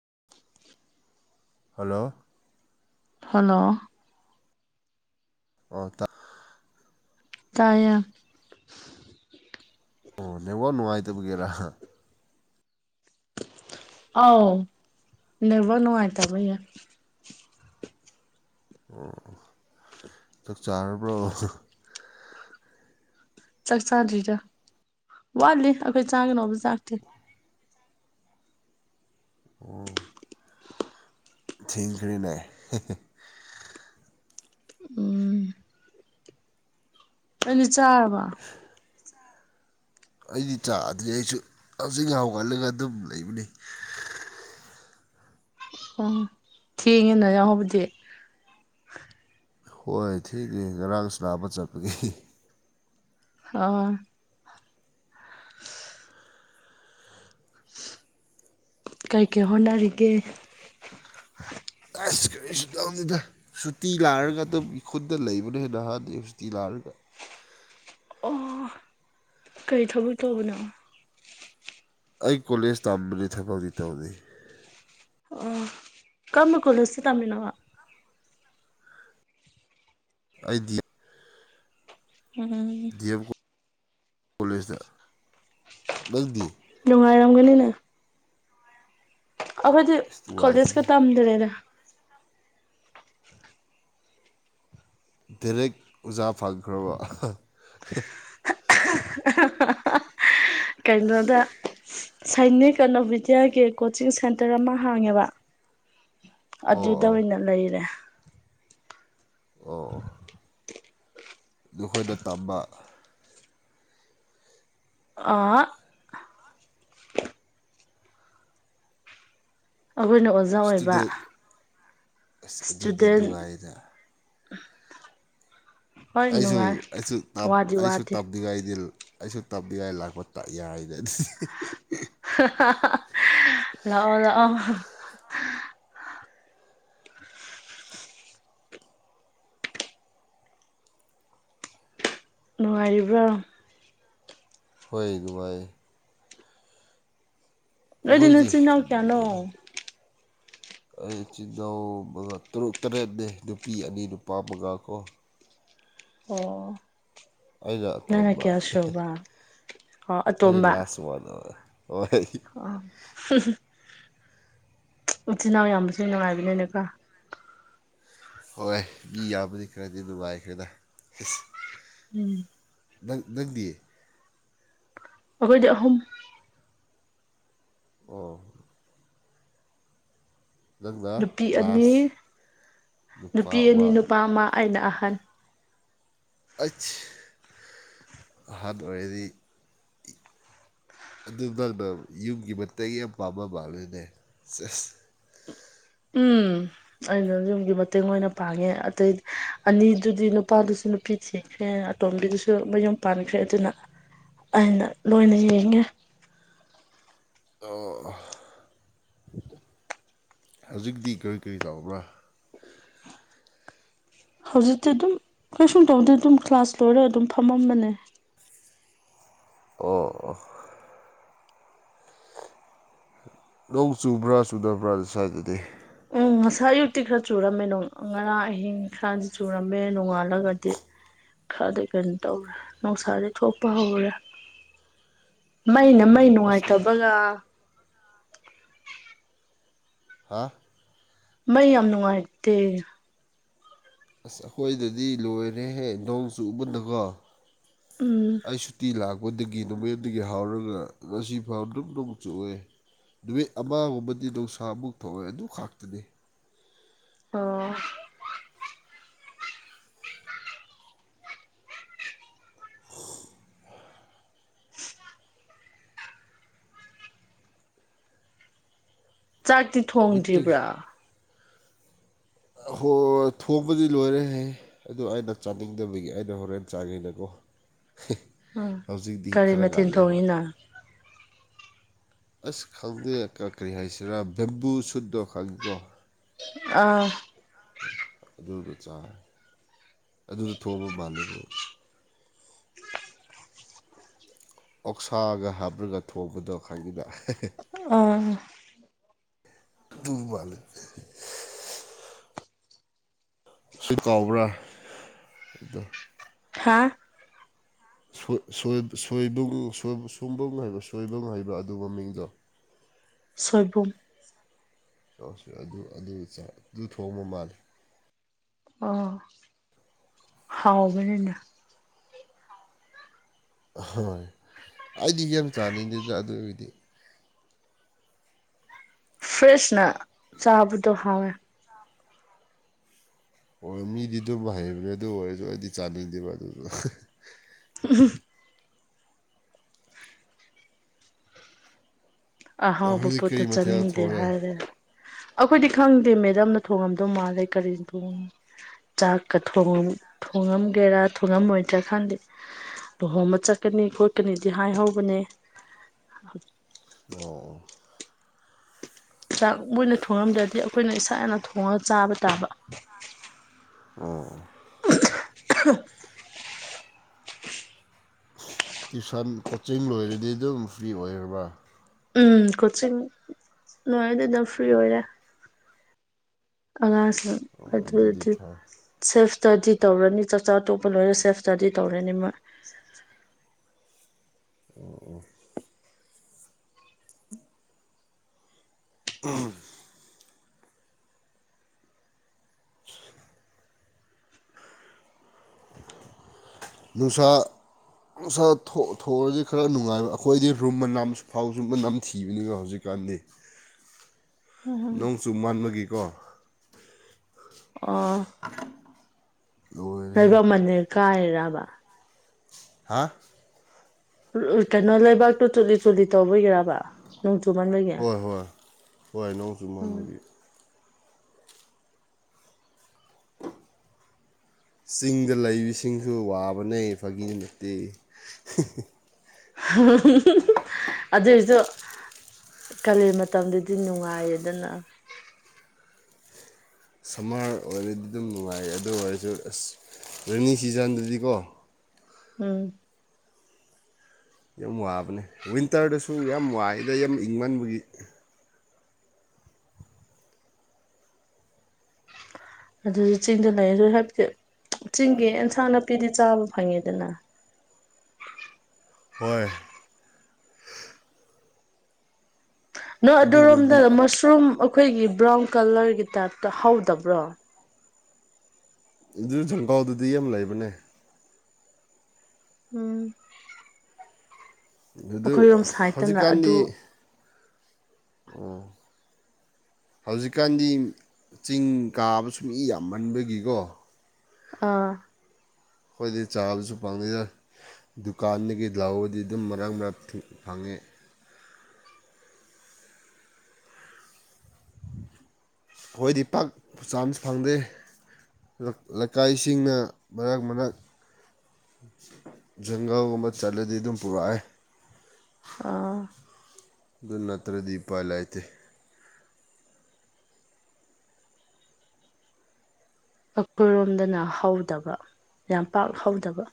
[inaudible] [unintelligible] hello ꯐꯣꯂꯣ ꯑ ꯇ ꯇ ꯑꯣ ꯅꯉꯣ ꯅꯨꯡꯉꯥꯏꯇꯕꯒꯦꯔꯥ ꯑꯥꯎ ꯅꯕ ꯅꯨꯡꯉꯥꯏ ꯇꯕꯩ ꯑꯣ ꯆꯥꯛ ꯆꯥꯔꯕ꯭ꯔꯣ ꯆꯥꯛ ꯆꯥꯗ꯭ꯔꯤꯗ ꯋꯥꯠꯂꯤ ꯑꯩꯈꯣꯏ ꯆꯥꯒꯅꯕ ꯆꯥꯛꯇꯦ ꯎ ꯊꯤꯡꯈꯔꯤꯅꯦ ꯎꯝ ꯑꯅꯤ ꯆꯥꯕ ꯑꯩꯗꯤ ꯆꯥꯗꯗꯤ ꯑꯩꯁꯨ ꯍꯧꯖꯤꯛ ꯍꯥꯎꯒꯠꯂꯒ ꯑꯗꯨꯝ ꯂꯩꯕꯅꯤ ꯑꯣ ꯊꯦꯡꯉꯤꯅ ꯌꯥꯎꯕꯨꯗꯤ ꯍꯣꯏ ꯊꯤꯒꯦ ꯉꯔꯥꯡ ꯂꯥꯛꯄ ꯆꯠꯄꯒꯤꯦ ꯑꯥ ꯀꯩꯀꯩ ꯍꯣꯠꯅꯔꯤꯒꯦ ꯑꯁ ꯀꯔꯤ ꯇꯗ ꯁꯨꯇꯤ ꯂꯥꯛꯔꯒ ꯑꯗꯨꯝꯒꯤ ꯈꯨꯠꯇꯗ ꯂꯩꯕꯅ ꯍꯦꯟꯅ ꯍꯥꯟꯗꯦ ꯁꯨꯇꯤ ꯂꯥꯛꯔꯒ ꯑꯣ ꯀꯔꯤ ꯊꯕꯛ ꯇꯧꯕꯅꯣ ꯑꯩ ꯀꯣꯂꯦꯖ ꯇꯝꯕꯒꯤ ꯊꯕꯛꯗꯤ ꯇꯧꯔꯤ ꯑꯣ ꯀꯃ ꯀꯣꯂꯁꯦ ꯇꯃꯤꯅ ꯋꯥ ꯑꯩꯗꯤ ꯎꯝ ꯀꯣꯂꯦꯖꯇ ꯅꯪꯗꯤ ꯅꯨꯡꯉꯥꯏꯔꯝꯒꯅꯤꯅ ꯑꯩꯈꯣꯏꯗꯤ ꯑꯁ ꯀꯣꯂꯦꯖꯀ ꯅꯨꯡꯉꯥꯏꯇꯦꯗ ꯇꯝꯗ꯭ꯔꯦꯗ ꯗꯥꯦꯔꯦꯛ ꯑꯣꯖꯥ ꯐꯈ꯭ꯔꯕ ꯀꯩꯅꯣꯗ ꯁꯥꯏꯅꯤꯛ ꯑꯅꯣꯚꯕꯤꯗ꯭ꯌꯥꯒꯤ ꯀꯣꯆꯤꯡ ꯁꯦꯟꯇꯔ ꯑꯃ ꯍꯥꯡꯉꯦꯕ ꯑꯣ ꯑꯣ ꯑꯗꯨꯗ ꯑꯣꯏꯅ ꯑꯣ ꯂꯩꯔꯦ ꯑꯣ ꯅꯈꯣꯏꯗ ꯇꯝꯕ ꯑ ꯑꯩꯈꯣꯏꯅ ꯑꯣꯖꯥ ꯑꯣꯏꯕ ꯏꯁꯇꯨꯗꯦꯟ ꯑꯁ ꯑꯗꯨꯗꯤ ꯏꯁꯇꯨꯗꯦꯟ ꯅꯨꯡꯉꯥꯏꯗ [unintelligible] ꯑꯩꯁꯨ ꯅꯨꯡꯉꯥꯏ ꯑꯩꯁꯨ ꯋꯥꯗꯤ ꯑꯩꯁꯨ ꯋꯥꯗꯦ ꯇꯞꯅꯤꯡꯉꯥꯏꯗꯤ ꯑꯩꯁꯨ ꯇꯞ ꯌꯥꯥꯏ ꯂꯥꯛꯄ ꯇ ꯌꯥꯏꯗ ꯑꯗꯨꯗꯤ ꯂꯥꯛꯑꯣ ꯂꯥꯛꯑꯣ ꯅꯨꯡꯉꯥꯏꯔꯤꯕ꯭ꯔꯣ ꯍꯣꯏ ꯃꯥꯏꯔꯤ ꯅꯣꯏꯗꯤ ꯅꯈꯣꯏꯗꯤ ꯅꯆꯤꯟꯜ ꯏꯅꯥꯎ ꯀꯌꯥꯅꯣ ꯑꯩ ꯏ ꯆꯤꯜꯅꯥꯎ ꯇꯛ ꯇꯔꯦꯠꯅꯦ ꯅꯨꯄꯤ ꯑꯅꯤ ꯅꯨꯄꯥ ꯃꯉꯥ ꯀꯣ ꯑꯣ ꯑꯩꯅ ꯉꯅ ꯑꯇꯣꯟꯕ ꯀꯌꯥꯁꯨꯣꯕ ꯑꯣ ꯑꯩꯅ ꯑꯇꯣꯝꯕ ꯂꯥꯁ ꯋꯥꯟ ꯍꯣꯏ ꯑ [unintelligible] ꯎꯆꯆꯤꯟꯜ ꯏꯅꯥꯎ ꯌꯥꯝꯕꯁꯨ ꯅꯨꯡꯉꯥꯏꯕꯅꯦꯅꯦꯀ ꯍꯣꯏꯣꯏ ꯃꯤ ꯌꯥꯝꯕꯗꯤ ꯈꯔꯗꯤ ꯅꯨꯡꯉꯥꯏꯈ꯭ꯔꯦꯗ ꯑꯁ ꯎꯝ ꯂꯩꯗꯤꯌꯦ ꯑꯩꯈꯣꯏꯗꯤ ꯑꯍꯨꯝ ꯑꯣ ꯅꯪꯅ ꯅꯨꯄꯤ ꯑꯅꯤ ꯂꯥꯁ ꯅꯨꯄꯥ ꯅꯨꯄꯤ ꯑꯃ ꯑꯅꯤ ꯅꯨꯄꯥ ꯑꯃ ꯑꯩꯅ ꯑꯍꯜ ꯑꯩ ꯑꯍꯥꯟꯕ ꯑꯣꯏꯔꯗꯤ ꯑꯗꯨ ꯅꯪꯅ ꯌꯨꯝꯒꯤ ꯃꯇ ꯌꯥꯝ ꯄꯥꯝꯕ ꯃꯥꯂꯣꯏꯅꯦꯁ ꯎꯝ ꯑꯩꯅ ꯌꯨꯝꯒꯤ ꯃꯇꯦꯡ ꯑꯣꯏꯅ ꯄꯥꯡꯉꯦ ꯑꯇꯩꯗꯤ ꯑꯅꯤꯗꯨꯗꯤ ꯅꯨꯄꯥꯗꯨꯁꯨ ꯅꯨꯄꯤ ꯊꯤꯈ꯭ꯔꯦ ꯑꯇꯣꯝꯕꯤꯗꯨꯁꯨ ꯃꯌꯨꯝ ꯄꯥꯟꯈ꯭ꯔꯦ ꯑꯗꯨꯅ ꯑꯅ ꯂꯣꯏꯅꯖꯉ ꯑꯣ ꯍꯧꯖꯤꯛꯇꯤ ꯀꯔꯤ ꯀꯔꯤ ꯇꯧꯕ꯭ꯔꯥ ꯍꯧꯖꯤꯛꯇꯤ ꯑꯗꯨꯝ ꯀꯩꯁꯨꯝ ꯇꯧꯗꯅ ꯑꯗꯨꯝ ꯀ꯭ꯂꯥꯁ ꯂꯣꯏꯔꯒ ꯑꯗꯨꯝ ꯐꯝꯃꯝꯕꯅꯦ ꯑꯣ ꯂꯧ ꯆꯨꯕ꯭ꯔꯥ ꯆꯨꯗꯕ꯭ꯔꯥ ꯑꯗꯨ꯭ꯋꯥꯏꯗꯗꯤ ꯎꯝ ꯉꯁꯥꯏ ꯑꯌꯨꯛꯇꯤ ꯈꯔ ꯆꯨꯔꯝꯃꯦ ꯉꯔꯥꯡ ꯑꯍꯤꯡ ꯈꯔꯗꯤ ꯆꯨꯔꯝꯃꯦ ꯅꯣꯡꯉꯥꯜꯂꯒꯗꯤ ꯈꯔꯗꯤ ꯀꯩꯅꯣ ꯇꯧꯔꯦ ꯅꯨꯡꯁꯥꯥꯁꯦ ꯊꯣꯛꯄ ꯍꯧꯔꯦ [unintelligible] ꯃꯩꯅ ꯃꯩ ꯑꯣ ꯑꯁ ꯅꯨꯡꯉꯥꯏꯇꯕꯒ ꯍꯥ ꯃꯩ ꯌꯥꯝ ꯅꯨꯡꯉꯥꯏꯔꯇꯦ ꯑꯁ ꯑꯩꯈꯣꯏꯗꯗꯤ ꯂꯣꯏꯔꯦꯍꯦ ꯅꯣꯡ ꯆꯨꯕꯗꯀꯣ ꯎꯝ ꯑꯩꯁꯨꯇꯤ ꯂꯥꯛꯒ ꯑꯩꯈꯣꯏꯗꯒꯤ ꯅꯨꯃꯗꯒꯤ ꯍꯥꯎꯔꯒ ꯉꯁꯤ ꯐꯥꯎꯕ ꯑꯗꯨꯝ ꯅꯣꯡꯆꯣꯛꯑꯦ ꯅꯨꯃꯤꯠ ꯑꯃꯒꯨꯝꯕꯗꯤ ꯅꯨꯡꯁꯥꯃꯨꯛ ꯊꯣꯛꯑꯦ ꯑꯗꯨ ꯈꯥꯛꯇꯅꯤ ꯑꯣ ꯆꯥꯛꯇꯤ ꯂꯩꯇ꯭ꯔꯤ ꯊꯣꯡꯗ꯭ꯔꯤꯕ꯭ꯔꯥ ꯍꯣꯏ ꯊꯣꯡꯕꯗꯤ ꯂꯣꯏꯔꯦꯍ ꯑꯗꯨꯗ ꯑꯩꯅ ꯆꯥꯅꯤꯡꯗꯕꯒꯤ ꯑꯩꯅ ꯍꯣꯔꯦꯟ ꯆꯥꯉꯤꯅꯀꯣ ꯍ ꯎ ꯀꯔꯤ ꯃꯊꯤꯟ ꯊꯣꯡꯉꯤꯅꯣ ꯑꯁ ꯈꯪꯗꯦ ꯀꯔꯤ ꯍꯥꯏꯁꯤꯔꯥ ꯕꯦꯝꯕꯨ ꯁꯨꯠꯇꯣ ꯈꯪꯉꯤꯀꯣ ꯑꯥ ꯆ ꯑꯗꯨꯗ ꯊꯣꯛꯑꯕ ꯃꯥꯜꯂꯦꯕꯣꯏ ꯑꯣꯛꯁꯥꯒ ꯍꯥꯞ꯭ꯔꯒ ꯊꯣꯡꯕꯗꯣ ꯈꯪꯒꯤꯗ ꯑꯣ ꯇꯨ ꯃꯥꯜ ꯁꯤ ꯀꯥꯎꯕ꯭ꯔꯥ ꯑꯣ ꯍꯥꯥ ꯁꯣꯏ ꯁꯣꯏꯕ ꯍꯥꯏꯕ ꯁꯣꯏꯕꯨꯡ ꯍꯥꯏꯕ꯭ꯔꯥ ꯑꯗꯨ ꯃꯃꯤꯡꯗꯣ ꯁꯣꯏꯕꯨꯝ ꯑ ꯑꯗꯨ ꯑꯗꯨ ꯑꯗꯨ ꯊꯣꯡꯕ ꯃꯥꯂꯦ ꯑ ꯍꯥꯎꯕꯅꯤꯅ ꯍꯣꯏ ꯑꯩꯗꯤ ꯌꯥꯝ ꯆꯥꯅꯤꯡꯗꯦꯗ ꯑꯗꯨ ꯑꯣꯏꯕꯗꯤ ꯐ꯭ꯔꯦꯁ ꯅ ꯆꯥꯕꯗꯣ ꯍꯋꯦ ꯑꯣ ꯃꯤꯗꯤ ꯑꯗꯨꯝ ꯍꯩꯕꯅꯦ ꯑꯗꯨ ꯑꯣꯏꯔꯁꯨ ꯑꯩꯗꯤ ꯆꯥꯅꯤꯡꯗꯦꯕ ꯑꯗꯨꯁꯨ ꯎ ꯑꯍꯥꯎꯕ ꯍꯧꯖꯤꯛ ꯄꯣꯠꯇꯨ ꯀꯔꯤ ꯃꯊꯦꯜ ꯆꯥꯅꯤꯡꯗꯦ ꯊꯣꯡꯔꯦ ꯍꯥꯏꯔꯦ ꯑꯩꯈꯣꯏꯗꯤ ꯈꯪꯗꯦ ꯃꯦꯗꯝꯝꯅ ꯊꯣꯡꯉꯝꯗꯧ ꯃꯥꯜꯂꯦ ꯀꯔꯤꯅ ꯊꯣꯡꯉ ꯆꯥꯛꯀ ꯊꯣꯡꯉꯝ ꯊꯣꯡꯉꯝꯒꯦꯔꯥ ꯊꯣꯡꯉꯝꯃꯣꯏꯗ꯭ꯔꯥ ꯈꯥꯟꯗꯤ ꯂꯨꯍꯣꯡꯕ ꯆꯠꯀꯅꯤ ꯈꯣꯠꯀꯅꯤꯗꯤ ꯍꯥꯏꯍꯧꯕ ꯀꯅꯦ ꯑꯣ ꯆꯥꯛ ꯃꯣꯏꯅ ꯊꯣꯡꯉꯝꯗ꯭ꯔꯗꯤ ꯑꯩꯈꯣꯏꯅ ꯏꯁꯥꯅ ꯊꯣꯡꯉꯒ ꯆꯥꯕ ꯇꯥꯕ ꯑꯣ ꯑ ꯇ꯭ꯨꯁꯟ ꯀꯣꯆꯤꯡ ꯂꯣꯏꯔꯗꯤ ꯑꯗꯨꯝ ꯐ꯭ꯔꯤ ꯑꯣꯏꯔꯕ꯭ꯔꯥ ꯎꯝ ꯀꯣꯆꯤꯡ ꯅꯨꯡꯉꯔ ꯑꯗꯨꯗ ꯐ꯭ꯔꯤ ꯑꯣꯏꯔꯦ ꯑꯉꯥꯡ ꯑꯣ ꯑꯗꯨ ꯑꯗꯨꯗꯤ ꯐꯔꯦ ꯁ꯭ꯇꯗꯤ ꯇꯧꯔꯅꯤ ꯆꯥꯛꯆꯥ ꯑꯇꯣꯞꯄ ꯂꯣꯏꯅ ꯁꯦꯞ ꯁ ꯏꯁꯇꯗꯤ ꯇꯧꯔꯅꯤ ꯃꯥ [inaudible] ꯑꯣ ꯑꯣ [inaudible] [inaudible] ꯅꯨꯡꯁꯥ ꯁꯥ ꯊꯣꯛꯑꯔꯗꯤ ꯈꯔ ꯅꯨꯡꯉꯥꯏꯕ ꯑꯩꯈꯣꯏꯗꯤ ꯔꯨꯝꯕꯝ ꯐꯥꯎ ꯆꯨꯝꯕ ꯅꯝ ꯊꯤꯕꯅꯤꯒ ꯍꯧꯖꯤꯛ ꯀ ꯎꯝ ꯅꯣꯡ ꯆꯨ ꯃꯥꯟꯕꯒꯤꯀꯣ ꯑ ꯂꯣꯏꯔꯦꯍꯦ ꯍꯣꯏꯕ ꯃꯟꯅꯤꯔ ꯀꯥꯏꯔꯔꯕ ꯍꯥ ꯀꯩꯅꯣ ꯂꯩꯕꯥꯛꯇꯣ ꯆꯨꯂꯤ ꯆꯨꯠꯂꯤ ꯇꯧꯕꯒꯤꯕ ꯅꯣꯡꯁꯨꯨꯄꯟꯕꯒ ꯍꯣꯏ ꯍꯣꯏ ꯍꯣꯏ ꯅꯣꯡ ꯎ ꯆꯨꯃꯟꯕꯒꯤ ꯆꯤꯡꯗ ꯂꯩꯕꯁꯤꯡꯁꯨ ꯋꯥꯕꯅꯦ ꯐꯥꯒꯤ ꯅꯠꯇꯦ [unintelligible] ꯑꯗꯨꯑꯣꯏꯁꯨ ꯀꯥꯂꯦꯟ ꯃꯇꯝꯗꯗꯤ ꯅꯨꯡꯉꯥꯏꯌꯦꯗꯅ ꯁꯝꯃꯔ ꯑꯣꯏꯔꯗꯤ ꯑꯗꯨꯝ ꯅꯨꯡꯉꯥꯏ ꯑꯗꯨ ꯑꯣꯏꯔꯁꯨ ꯑꯁ ꯔꯦꯅꯤ ꯁꯤꯖꯟꯗꯗꯤꯀꯣ [inaudible] ꯎꯝ ꯌꯥꯝ ꯋꯥꯕꯅꯦ ꯋꯤꯟꯇꯔꯗꯁꯨ ꯌꯥꯝ ꯋꯥꯏꯗ ꯌꯥꯝ ꯏꯪꯃꯟꯕꯒꯤ ꯑꯗꯨꯁꯨ ꯆꯤꯡꯗ ꯂꯩ ꯑꯗꯨ ꯍꯥꯏꯐꯗꯤ ꯆꯤꯡꯒꯤ ꯑꯦꯟꯁꯥꯡ ꯅꯥꯄꯤꯗꯤ ꯆꯥꯕ ꯐꯪꯉꯤꯗꯅ ꯍꯣꯏꯣꯏ ꯅꯣ ꯑꯗꯨꯔꯣꯝꯗ ꯑꯗꯨꯕꯨꯗꯤ ꯃꯁꯔꯨꯝ ꯑꯩꯈꯣꯏꯒꯤ ꯕ꯭ꯔꯥꯎꯟ ꯀꯂꯔꯒꯤ ꯇꯥꯏꯞꯇ ꯍꯧꯗꯕ꯭ꯔꯣ ꯑꯗꯨ ꯊꯣꯡꯒꯥꯎꯗꯨꯗꯤ ꯌꯥꯝ ꯂꯩꯕꯅꯦ ꯎꯝ ꯑꯗꯨ ꯑꯩꯈꯣꯏꯔꯣꯝ ꯁꯥꯏꯠꯇꯅ ꯍꯧꯖꯤꯛꯀꯥꯟꯗꯤ ꯑꯗꯨ ꯑꯣ [unintelligible] ꯍꯧꯖꯤꯛꯀꯥꯟꯗꯤ ꯆꯤꯡ ꯀꯥꯕ ꯁ ꯃꯤ ꯌꯥꯝꯃꯟꯕꯒꯤꯀꯣ ꯑꯥ ꯑꯩꯈꯣꯏꯗꯤ ꯆꯥꯕꯁꯨ ꯐꯪꯗꯗ ꯗꯨꯀꯥꯟꯗꯒꯤ ꯂꯥꯎꯕꯗꯤ ꯑꯗꯨꯝ ꯃꯔꯥꯡ ꯃꯔꯥꯡ ꯐꯪꯉꯤ ꯍ ꯍꯣꯏꯗꯤ ꯄꯥꯛꯄ ꯆꯥꯁꯨ ꯐꯪꯗꯦ ꯂꯩꯀꯥꯏꯁꯤꯡꯅ ꯃꯔꯛ ꯃꯔꯛ ꯖꯪꯒꯥꯜꯒꯨꯝꯕ ꯆꯠꯂꯗꯤ ꯑꯗꯨꯝ ꯄꯨꯔꯛꯦ ꯑꯥ ꯑꯗꯨ ꯅꯠꯇ꯭ꯔꯗꯤ ꯏꯄꯥꯏ ꯂꯩꯇꯦ ꯑꯩꯀꯣꯏꯔꯣꯝꯗꯅ ꯍꯧꯗꯕ ꯌꯥꯝ ꯄꯥꯛ ꯍꯧꯗꯕ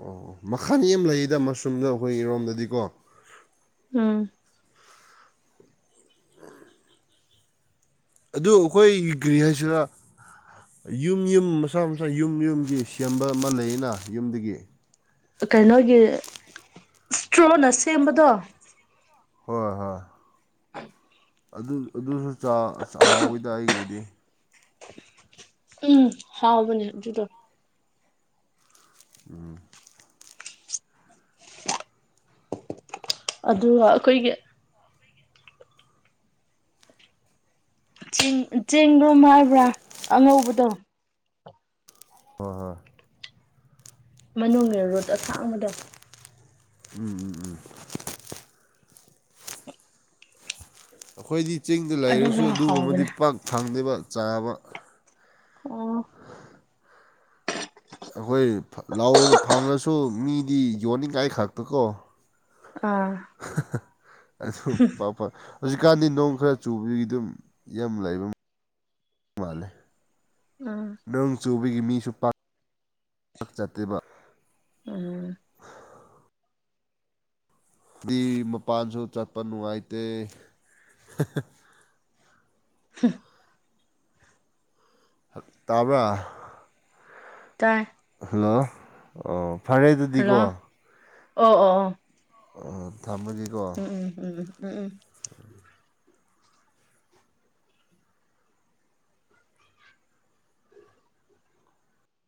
ꯑꯣ ꯃꯈꯜ ꯑꯃ ꯂꯩꯌꯦꯗ ꯃꯁꯔꯨꯝꯗ ꯑꯩꯈꯣꯏ ꯏꯔꯣꯝꯗꯗꯤꯀꯣ ꯎꯝ ꯑꯗꯨ ꯑꯩꯈꯣꯏꯒ꯭ꯔꯤ ꯍꯥꯏꯁꯤꯅ ꯌꯨꯝ ꯌꯨꯝ ꯃꯁꯥ ꯃꯁꯥ ꯌꯨꯝ ꯌꯨꯝꯒꯤ ꯁꯦꯝꯕ ꯑꯃ ꯂꯩꯌꯦꯅ ꯌꯨꯝꯗꯒꯤ ꯀꯩꯅꯣꯒꯤ ꯏꯁꯇ꯭ꯔꯣꯅ ꯁꯦꯝꯕꯗꯣ ꯍꯣꯏ ꯍꯣꯏ ꯑꯗꯨ ꯑꯗꯨꯁꯨꯥꯛꯍꯥꯎꯋꯤꯗ ꯑꯩꯒꯤꯗꯤ ꯎꯝ ꯍꯥꯎꯕꯅꯦ ꯑꯗꯨꯗꯣ ꯎꯝ ꯑꯗꯨꯒ ꯑꯩꯈꯣꯏꯒꯤ ꯆꯦꯡ ꯆꯦꯡꯗꯣ ꯍꯥꯏꯕ꯭ꯔꯥ ꯑꯉꯧꯕꯗꯣ ꯍꯣꯏ ꯍꯣꯏ ꯃꯅꯨꯡ ꯔꯣꯠ ꯑꯁꯥꯡ ꯑꯃꯗ ꯎꯝ ꯎꯝ ꯎꯝ ꯑꯩꯈꯣꯏꯗꯤ ꯆꯤꯡꯗ ꯂꯩꯔꯁꯨ ꯑꯗꯨꯁꯨ ꯑꯗꯨꯒꯨꯝꯕꯗꯤ ꯍꯥꯎꯕꯅꯦ ꯄꯥꯛ ꯐꯪꯗꯕ ꯆꯥꯕ ꯑꯣ ꯑꯩꯈꯣꯏ ꯐꯪꯉꯁꯨ ꯃꯤꯗꯤ ꯌꯣꯟꯅꯤꯡꯉꯥꯏ ꯈꯛꯇꯀꯣ ꯑꯥ ꯄꯥꯄ ꯍꯧꯖꯤꯛꯀꯥꯟꯗꯤ ꫰ꯅꯣꯡ ꯈꯔ ꯆꯨꯕꯒꯤ ꯑꯗꯨꯝ ꯌꯥꯝ ꯂꯩꯕ ꯃꯥꯂꯦ ꯑꯥ ꯆꯨꯕꯒꯤ ꯃꯤꯁꯨ ꯄꯥꯛ ꯆꯠꯇꯦꯕ ꯎꯝ ꯃꯄꯥꯟꯁꯨ ꯆꯠꯄ ꯅꯨꯡꯉꯥꯏꯇꯦ ꯍ ꯇꯕꯦ ꯇꯥꯏ ꯍꯜꯂꯣ ꯑꯣ ꯐꯔꯦ ꯍꯜꯂꯣ ꯑꯗꯨꯗꯤꯀꯣ ꯑꯣ ꯑꯣ ꯑ ꯑ ꯎꯝ ꯎꯝ ꯎꯝ ꯎꯝ ꯎꯝ